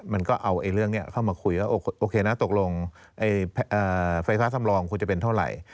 มันก็เอาเรื่องนี้เข้ามาคุยว่าโอเคนะตกลงไฟฟ้าสำรองควรจะเป็นเท่าไหร่